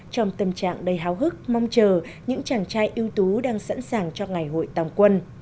trong tâm trạng đầy háo hức mong chờ những chàng trai ưu tú đang sẵn sàng cho ngày hội tòng quân